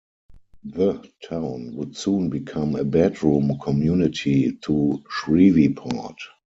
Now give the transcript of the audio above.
The town would soon become a bedroom community to Shreveport.